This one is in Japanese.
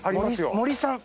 森森さん。